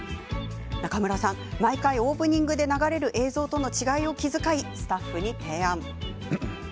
中村さん、毎回オープニングで流れる映像との違いを気遣いスタッフに提案。